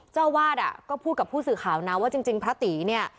เจ้าอาวาสก็พูดกับผู้สื่อข่าวนะว่าจริงพระตีเนี่ย